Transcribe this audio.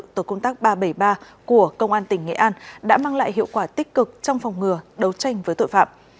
tổ công tác ba trăm bảy mươi ba của công an tỉnh nghệ an đã mang lại hiệu quả tích cực trong phòng ngừa đấu tranh với tội phạm